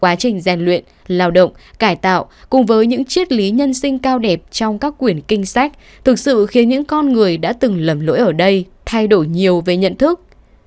quá trình gian luyện lao động cải tạo cùng với những chiếc lý nhân sinh cao đẹp trong các quyển kinh sách thực sự khiến những con người đã từng lầm lỗi ở đây thay đổi nhiều về nhận thức